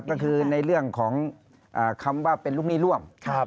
ก็คือในเรื่องของคำว่าเป็นลูกหนี้ร่วม